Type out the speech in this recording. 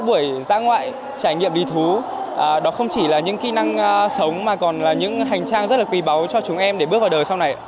buổi dã ngoại trải nghiệm bì thú đó không chỉ là những kỹ năng sống mà còn là những hành trang rất là quý báu cho chúng em để bước vào đời sau này